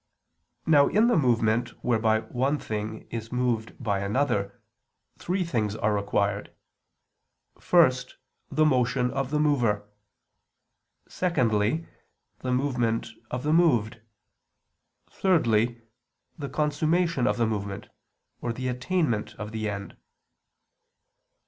Now in the movement whereby one thing is moved by another, three things are required: first, the motion of the mover; secondly, the movement of the moved; thirdly, the consummation of the movement, or the attainment of the end.